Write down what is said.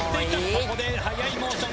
ここで速いモーション。